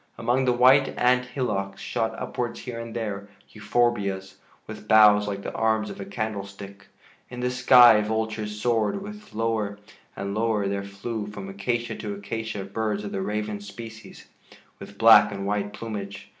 Among the white ant hillocks shot upwards here and there euphorbias, with boughs like the arms of a candle stick. In the sky vultures soared, and lower there flew from acacia to acacia birds of the raven species with black and white plumage.